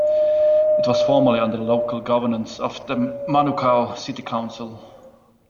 It was formerly under the local governance of the Manukau City Council.